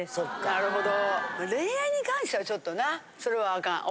なるほど。